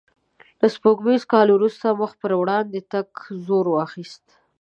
له سپوږمیز کال وروسته مخ په وړاندې تګ زور واخیست.